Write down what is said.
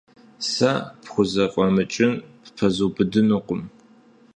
Сэ пхузэфӀэмыкӀын ппэзубыдынукъым.